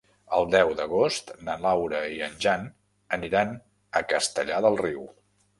El deu d'agost na Laura i en Jan aniran a Castellar del Riu.